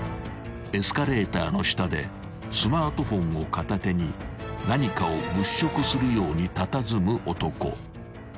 ［エスカレーターの下でスマートフォンを片手に何かを物色するようにたたずむ男］